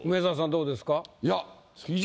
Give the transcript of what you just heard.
どうですか？